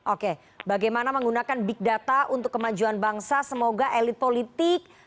oke bagaimana menggunakan big data untuk kemajuan bangsa semoga elit politik